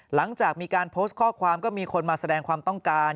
หลังจากมีการโพสต์ข้อความก็มีคนมาแสดงความต้องการ